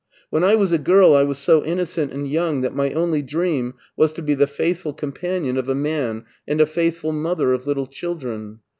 When I was a girl I was so innocent and young that my only dream was to be the faithful companion of a man 2i8 MARTIN SCHtJLER and a faithftil mother of little children.